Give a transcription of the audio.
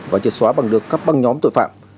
và triệt xóa bằng được các băng nhóm tội phạm